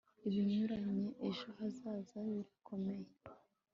Ibinyuranye ejo hazaza birakomeye